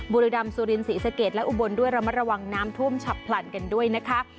บุรีดำสุรินศรีสะเกดและอุบลด้วยระมัดระวังน้ำท่วมฉับพลันกันด้วยนะคะ